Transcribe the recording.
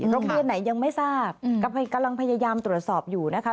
โรงเรียนไหนยังไม่ทราบกำลังพยายามตรวจสอบอยู่นะคะ